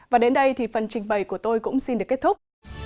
và đến đây thì phần trình bày của tôi cũng xin được kết thúc